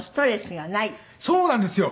そうなんですよ。